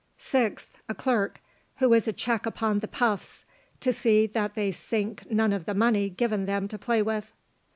6th. A CLERK, who is a check upon the PUFFS, to see that they sink none of the money given them to play with.